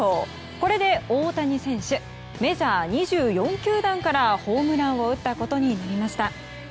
これで、大谷選手メジャー２４球団からホームランを打ったことになりました。